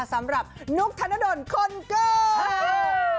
สำหรับนุคธนดนตร์คนเกิ้ล